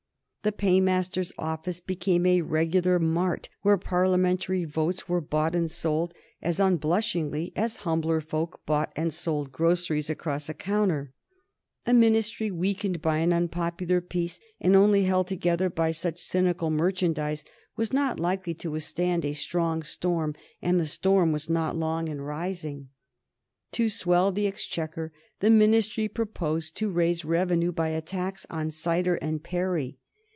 The Paymaster's Office became a regular mart where parliamentary votes were bought and sold as unblushingly as humbler folk bought and sold groceries across a counter. A Ministry weakened by an unpopular peace, and only held together by such cynical merchandise, was not likely to withstand a strong storm, and the storm was not long in rising. To swell the exchequer, the Ministry proposed to raise revenue by a tax on cider and perry.